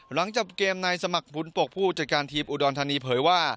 หลังจบเกมในสมัครผลปกผู้จัดการทีมอุดรธานีเผยว่า